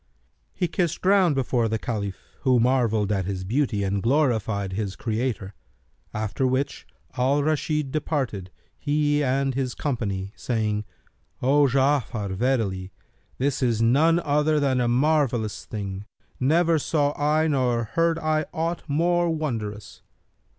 He kissed ground before the Caliph, who marvelled at his beauty and glorified his Creator; after which Al Rashid departed, he and his company, saying, "O Ja'afar, verily, this is none other than a marvellous thing, never saw I nor heard I aught more wondrous."